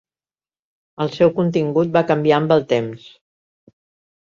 El seu contingut va canviar amb el temps.